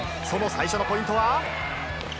その最初のポイントは。